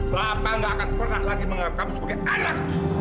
bapak gak akan pernah lagi menganggap kamu sebagai anak